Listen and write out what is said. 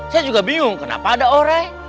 saya juga bingung kenapa ada orang